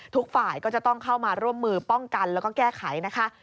ทุกฝ่ายก็จะต้องเข้ามาร่วมมือป้องกันแล้วก็แก้ไขนะคะ